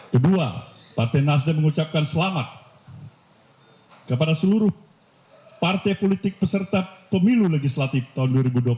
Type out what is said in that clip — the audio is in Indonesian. kedua partai nasdem mengucapkan selamat kepada seluruh partai politik peserta pemilu legislatif tahun dua ribu dua puluh empat